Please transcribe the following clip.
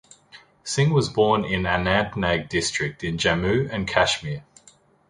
Singh was born in Anantnag district in Jammu and Kashmir.